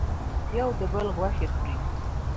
یو د بل غوښې خوري.